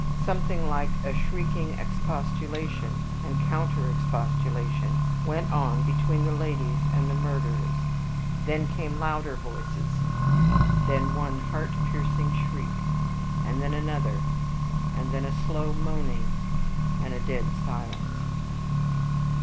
Something like a shrieking expostulation and counter expostulation went on between the ladies and the murderers; then came louder voices then one heart piercing shriek, and then another and then a slow moaning and a dead silence.